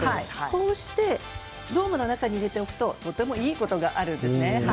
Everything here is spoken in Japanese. こうしてドームの中に入れておくと、いいことがあるんですね。